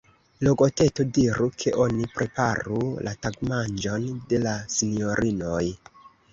Logoteto, diru, ke oni preparu la tagmanĝon de la sinjorinoj.